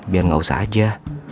biar gak usah aja